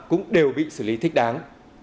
cũng đều bị xử lý thích đáng